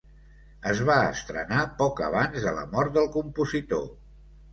Es va estrenar poc abans de la mort del compositor.